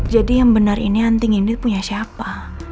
yang benar ini anting ini punya siapa